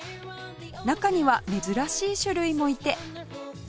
中には珍しい種類もいて